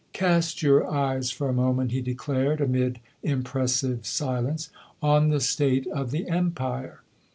"Cast your eyes for a moment," he declared, amid impressive silence, "on the state of the Empire.